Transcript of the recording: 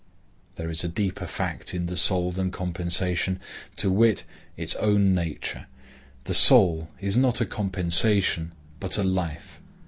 There is a deeper fact in the soul than compensation, to wit, its own nature. The soul is not a compensation, but a life.